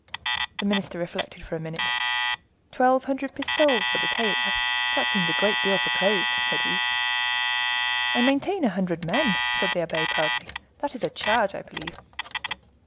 The minister reflected for a minute. "Twelve hundred pistoles to the tailor; that seems a great deal for clothes," said he. "I maintain a hundred men," said the abbe, proudly; "that is a charge, I believe."